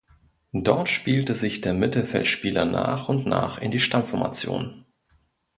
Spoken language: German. Dort spielte sich der Mittelfeldspieler nach und nach in die Stammformation.